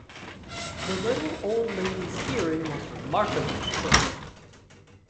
The little old lady's hearing was remarkably quick.